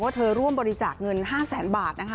เธอร่วมบริจาคเงิน๕แสนบาทนะคะ